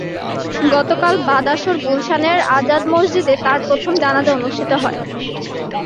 গতকাল বাদ আসর গুলশানের আজাদ মসজিদে তাঁর প্রথম জানাজা অনুষ্ঠিত হয়।